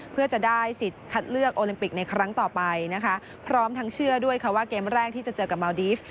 เพื่อจะได้สิทธิ์คัดเลือกโอลิมปิกในครั้งต่อไปนะคะพร้อมทั้งเชื่อด้วยค่ะว่าเกมแรกที่จะเจอกับเมาดีฟ